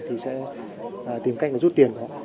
thì sẽ tìm cách rút tiền